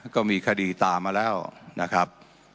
ก็มีคดีตามมาแล้วนะครับ